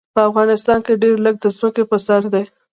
په افغانستان کې ډېر لږ د ځمکې په سر دي.